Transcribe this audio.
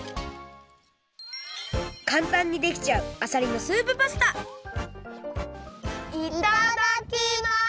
かんたんにできちゃうあさりのスープパスタいただきます。